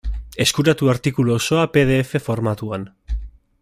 Eskuratu artikulu osoa pe de efe formatuan.